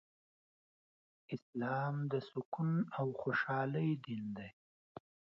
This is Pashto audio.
اسلام د سکون او خوشحالۍ دين دی